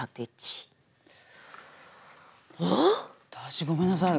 私ごめんなさい。